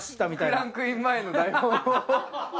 クランクイン前の台本を？